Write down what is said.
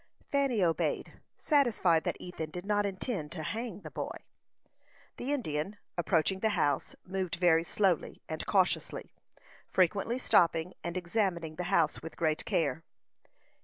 Fanny obeyed, satisfied that Ethan did not intend to hang the boy. The Indian, approaching the house, moved very slowly and cautiously, frequently stopping, and examining the house with great care.